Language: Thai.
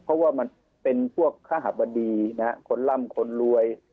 เพราะว่ามันเป็นพวกคบดีนะฮะคนร่ำคนรวย